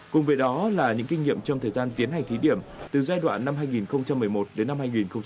cùng với đó là những kinh nghiệm trong thời gian tiến hành thí điểm từ giai đoạn năm hai nghìn một mươi một đến năm hai nghìn hai mươi